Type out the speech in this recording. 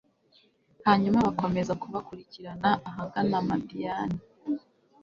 hanyuma bakomeza kubakurikirana ahagana madiyani